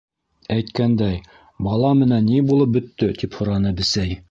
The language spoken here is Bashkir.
—Әйткәндәй, бала менән ни булып бөттө? —тип һораны Бесәй.